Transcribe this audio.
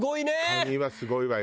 紙はすごいわよ。